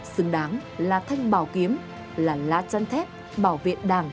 xứng đáng là thanh bảo kiếm là lá chăn thép bảo vệ đảng nhà nước và chế độ